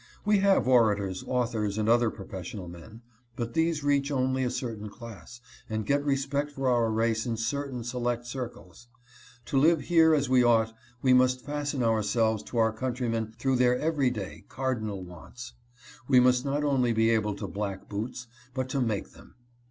We have orators, authors, and other professional men, but these reach only a certain class, and get respect for our race in certain select circles. To live here as we ought we must fasten ourselves to our countrymen through their every day, cardinal wants. We must not only be able to black boots, but to make them.